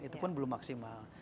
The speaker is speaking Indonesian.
itu pun belum maksimal